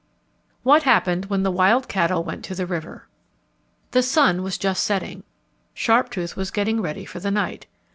What Happened When the Wild Cattle Went to the River The sun was just setting. Sharptooth was getting ready for the night.